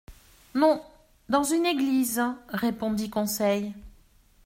—Non, dans une église, répondit Conseil.